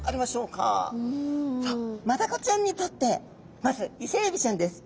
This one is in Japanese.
マダコちゃんにとってまずイセエビちゃんです。